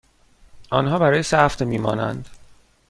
آنها برای سه هفته می مانند.